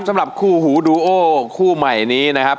สำหรับคู่หูดูโอคู่ใหม่นี้นะครับ